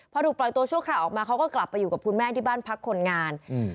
พอถูกปล่อยตัวชั่วคราวออกมาเขาก็กลับไปอยู่กับคุณแม่ที่บ้านพักคนงานอืม